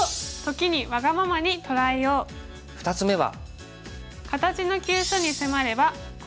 ２つ目は。